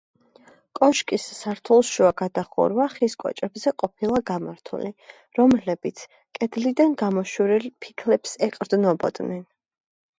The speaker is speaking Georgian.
კოშკის სართულშუა გადახურვა ხის კოჭებზე ყოფილა გამართული, რომლებიც კედლიდან გამოშვერილ ფიქლებს ეყრდნობოდნენ.